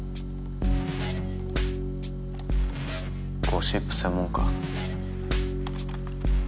ゴシップ専門か。